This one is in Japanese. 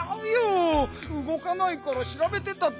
うごかないからしらべてただけだよ。